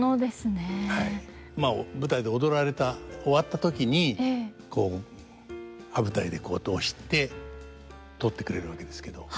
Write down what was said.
舞台で踊られた終わった時にこう羽二重でこう落として取ってくれるわけですけど。